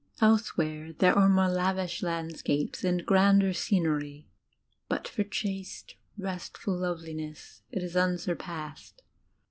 Elsewhere are more lavish landscapes and grander scenery; but for chasK, restful loveliness it is unsurpassed.